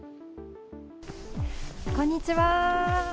こんにちは。